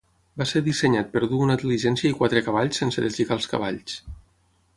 Va ser dissenyat per dur una diligència i quatre cavalls sense deslligar els cavalls.